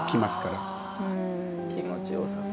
はあ気持ちよさそう。